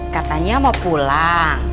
katanya mau pulang